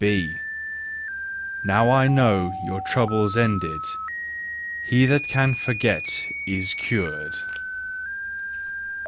B. Now I know your trouble's ended : He that can forget, is cured.